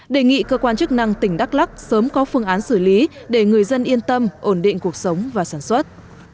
đề nghị cơ quan chức năng tỉnh đắk lắc sớm có phương án xử lý để người dân yên tâm ổn định cuộc sống và sản xuất